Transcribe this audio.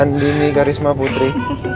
andini karisma putri